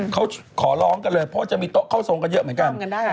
เขาขอร้องกันเลยเพราะว่าจะมีโต๊ะเข้าทรงกันเยอะเหมือนกัน